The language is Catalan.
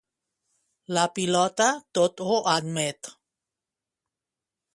La pilota tot ho admet.